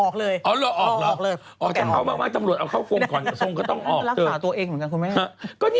เข้ากงไปก่อน